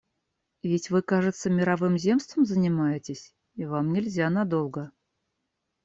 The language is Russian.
Ведь вы, кажется, мировым земством занимаетесь, и вам нельзя надолго.